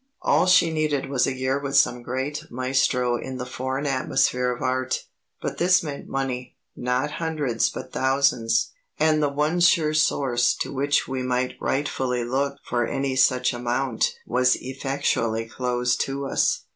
All she needed was a year with some great maestro in the foreign atmosphere of art. But this meant money not hundreds but thousands, and the one sure source to which we might rightfully look for any such amount was effectually closed to us.